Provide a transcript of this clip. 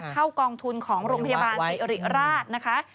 เข้ากองทุนของโรงพยาบาลศรีริราชนะคะ